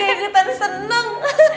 dan ini juga kita seneng